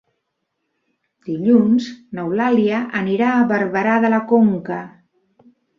Dilluns n'Eulàlia anirà a Barberà de la Conca.